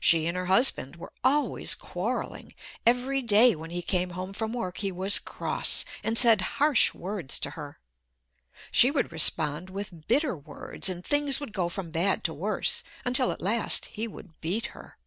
She and her husband were always quarreling. Every day when he came home from work he was cross, and said harsh words to her. She would respond with bitter words, and things would go from bad to worse until at last he would beat her.